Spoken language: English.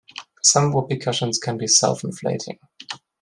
Some whoopee cushions can be self-inflating.